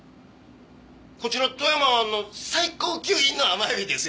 「こちら富山湾の最高級品の甘エビですよ？」